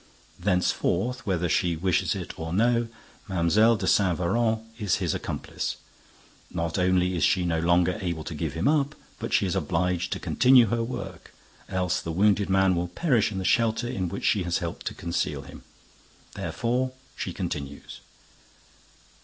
Thenceforth, whether she wishes it or no, Mlle. de Saint Véran is his accomplice. Not only is she no longer able to give him up, but she is obliged to continue her work, else the wounded man will perish in the shelter in which she has helped to conceal him. Therefore she continues.